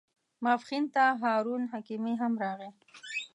ماپښین ته هارون حکیمي هم راغی.